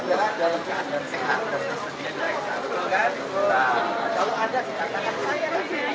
kalau ada kita katakan saya